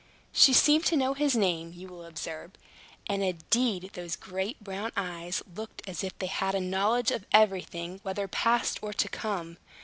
She seemed to know his name, you will observe; and, indeed, those great brown eyes looked as if they had a knowledge of everything, whether past or to come.